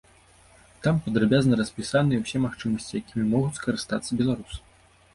Там падрабязна распісаныя ўсе магчымасці, якімі могуць скарыстацца беларусы.